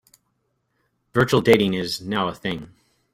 Virtual dating is now a thing.